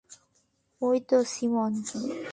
ওই তো সিমোন।